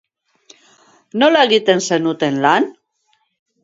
Nola egiten zenuten lan?